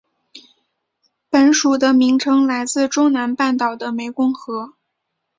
本属的名称来自中南半岛的湄公河。